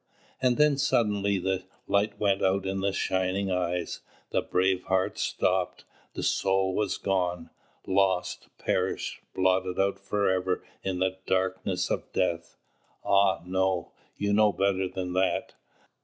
And then suddenly the light went out in the shining eyes. The brave heart stopped. The soul was gone. Lost, perished, blotted out forever in the darkness of death? Ah, no; you know better than that.